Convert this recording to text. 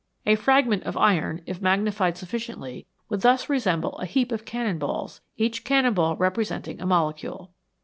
A fragment of iron, if magnified sufficiently, would thus resemble a heap of cannon balls, each cannon ball representing a molecule.